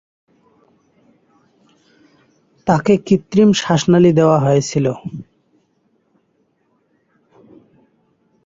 তাকে কৃত্রিম শ্বাসনালি দেওয়া হয়েছিল।